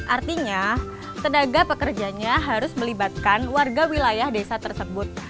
artinya tenaga pekerjanya harus melibatkan warga wilayah desa tersebut